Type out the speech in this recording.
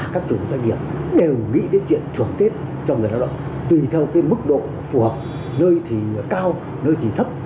các chủ doanh nghiệp đều nghĩ đến chuyện thưởng tết cho người lao động tùy theo mức độ phù hợp nơi thì cao nơi thì thấp